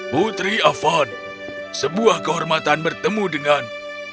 putri afan sebuah kehormatan bertemu dengan